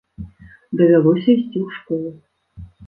Давялося ісці ў школу.